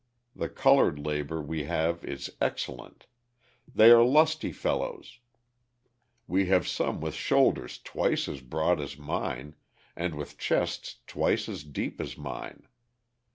The coloured labour we have is excellent.... They are lusty fellows; we have some with shoulders twice as broad as mine, and with chests twice as deep as mine.